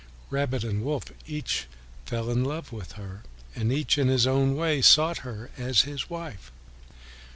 Rabbit and Wolf each fell in love with her, and each in his own way sought her as his wife.